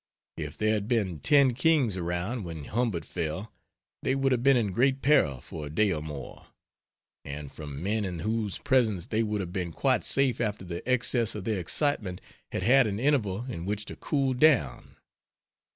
If there had been ten kings around when Humbert fell they would have been in great peril for a day or more and from men in whose presence they would have been quite safe after the excess of their excitement had had an interval in which to cool down.